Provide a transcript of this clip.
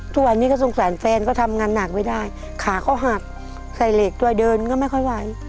ทุกวันนี้ก็สงสารแฟนก็ทำงานหนักไม่ได้ขาเขาหักใส่เหล็กด้วยเดินก็ไม่ค่อยไหว